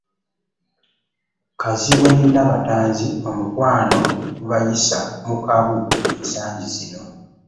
Kazibwe ne Nbatanzi omukwano gubayisa mu kabu ensangi zino.